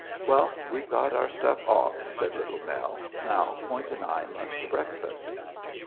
"Well, we've got our stuff off," said Little Nell. "Now Point and I must breakfast."